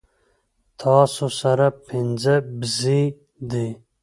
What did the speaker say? تاسو سره پنځۀ بيزې دي